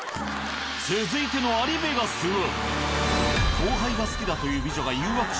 続いてのアリベガスは。